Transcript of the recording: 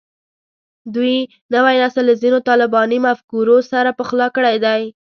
دوی نوی نسل له ځینو طالباني مفکورو سره پخلا کړی دی